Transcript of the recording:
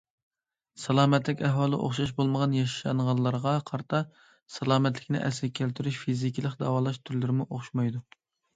سالامەتلىك ئەھۋالى ئوخشاش بولمىغان ياشانغانلارغا قارىتا، سالامەتلىكنى ئەسلىگە كەلتۈرۈش فىزىكىلىق داۋالاش تۈرلىرىمۇ ئوخشىمايدۇ.